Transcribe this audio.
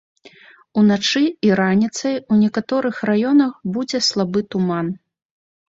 Уначы і раніцай у некаторых раёнах будзе слабы туман.